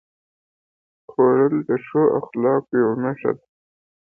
خوړل د ښو اخلاقو یوه نښه ده